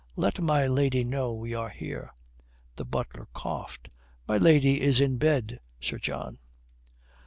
"Let my lady know we are here." The butler coughed. "My lady is in bed, Sir John."